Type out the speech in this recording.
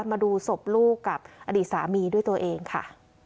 มาดูศพลูกกับอดีตสามีด้วยตัวเองค่ะ